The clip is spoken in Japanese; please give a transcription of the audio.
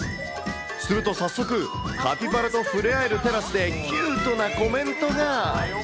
すると早速、カピバラと触れ合えるテラスで、キュートなコメントが。